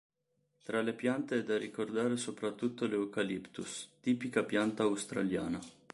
Tra le piante è da ricordare soprattutto l"'Eucalyptus", tipica pianta australiana.